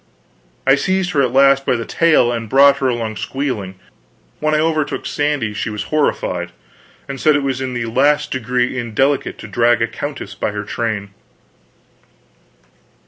I seized her at last by the tail, and brought her along squealing. When I overtook Sandy she was horrified, and said it was in the last degree indelicate to drag a countess by her train.